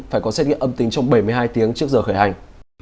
phải có xét nghiệm âm tính trong bảy mươi hai tiếng trước giờ khởi hành